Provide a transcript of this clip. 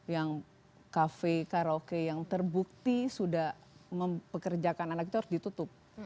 yang kafe karaoke yang terbukti sudah mempekerjakan anak itu harus ditutup